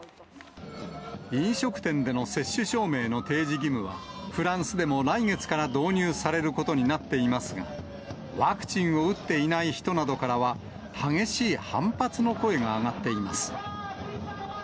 飲食店での接種証明の提示義務はフランスでも来月から導入されることになっていますが、ワクチンを打っていない人などからは、激しい反発の声が上がっています。